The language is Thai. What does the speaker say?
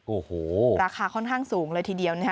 โอ้โหราคาค่อนข้างสูงเลยทีเดียว